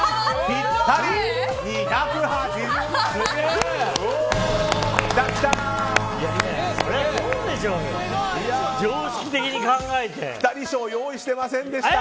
ぴたり賞用意してませんでした。